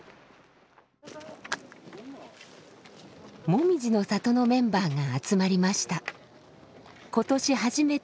もみじの里のメンバーが集まりました。